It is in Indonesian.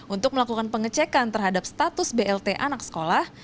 untuk melakukan pengecekan terhadap status blt anak sekolah